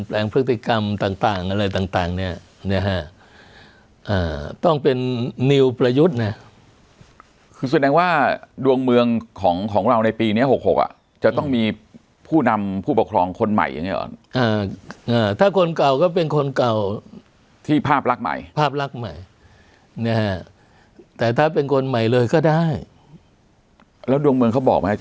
เปลี่ยนแปลงพฤติกรรมต่างอะไรต่าง